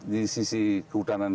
di sisi kehutanan